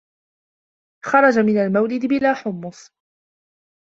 خرج من المولد بلا حُمّص